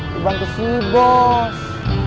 dibantu sih bos